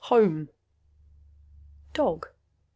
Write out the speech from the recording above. "Home." "Dog?"